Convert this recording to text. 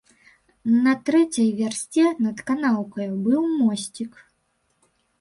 На трэцяй вярсце над канаўкаю быў мосцік.